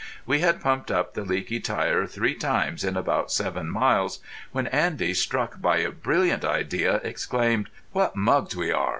We had pumped up the leaky tyre three times in about seven miles, when Andy, struck by a brilliant idea, exclaimed: "What mugs we are!